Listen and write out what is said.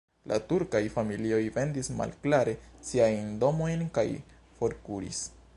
La turkaj familioj vendis malkare siajn domojn kaj forkuris.